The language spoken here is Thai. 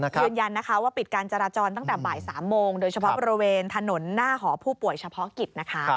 ยืนยันนะคะว่าปิดการจราจรตั้งแต่บ่าย๓โมงโดยเฉพาะบริเวณถนนหน้าหอผู้ป่วยเฉพาะกิจนะคะ